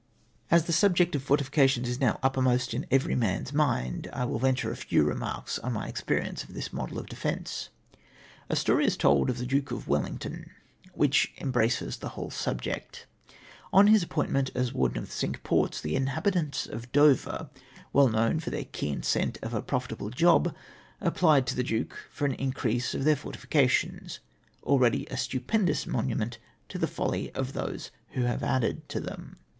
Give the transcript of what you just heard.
As the subject of fortifications is now uppermost in every man's mind, I will venture a few remarks on my experience of this mode of defence. A story is told of the Duke of Welhngton which embraces the whole subject. On his appointment as Warden of the Cinque Ports, the inliabitants of Dover, well known for theu' keen scent of a profitable job, apphed to the Duke for an mcrease of their fortifica VOL. II. R 242 THE SUBJECT OF FORTIFICATIOXS. tions, alread}^ a, stupendous monument to the folly of those wlio have added to tliem.